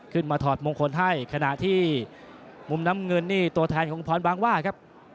ถอดมงคลให้ขณะที่มุมน้ำเงินนี่ตัวแทนของพรบางว่าครับ